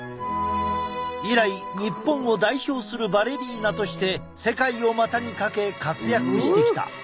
以来日本を代表するバレリーナとして世界を股にかけ活躍してきた。